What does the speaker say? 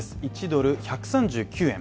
１ドル＝１３９円。